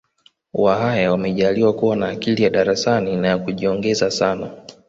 Wahaya wamejaaliwa kuwa na akili ya darasani na ya kujiongeza sana